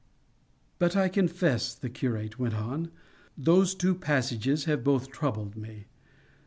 But I confess," the curate went on, "those two passages have both troubled me.